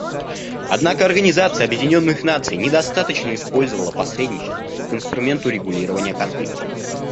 Однако Организация Объединенных Наций недостаточно использовала посредничество как инструмент урегулирования конфликтов.